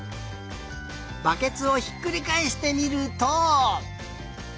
バケツをひっくりかえしてみると。